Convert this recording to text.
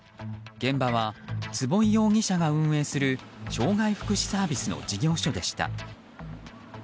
現場は坪井容疑者が運営する障害福祉サービスの事業所でした。